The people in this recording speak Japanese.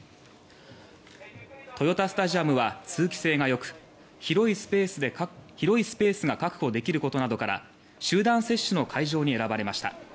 豊田スタジアムは通気性がよく広いスペースが確保できることなどから集団接種の会場に選ばれました。